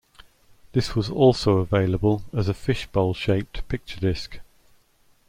This was also available as a fish bowl-shaped picture disc.